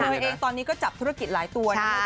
คุณอะไรเองตอนนี้ก็จับธุรกิจหลายตัวนี่